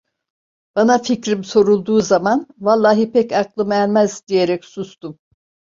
Bana fikrim sorulduğu zaman, "Vallahi pek aklım ermez!" diyerek sustum.